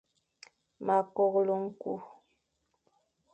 Ma keghle nku.